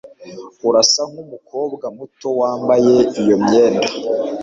Urasa nkumukobwa muto wambaye iyo myenda